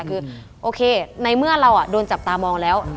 คือโอเคในเมื่อเราโดนจับตามองแล้ว